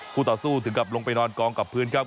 ต่อสู้ถึงกับลงไปนอนกองกับพื้นครับ